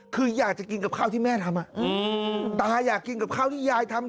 คืออยากจะกินกับข้าวที่แม่ทำตาอยากกินกับข้าวที่ยายทำ